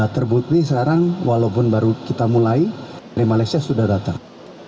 terbukti sekarang walaupun baru kita mulai dari malaysia sudah datang